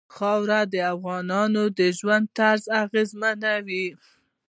خاوره د افغانانو د ژوند طرز اغېزمنوي.